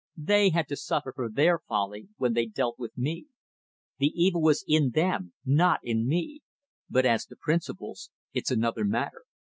They had to suffer for their folly when they dealt with me. The evil was in them, not in me. But as to principles, it's another matter.